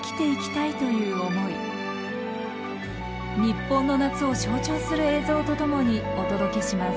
日本の夏を象徴する映像とともにお届けします